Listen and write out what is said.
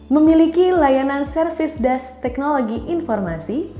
memiliki layanan service desk teknologi informasi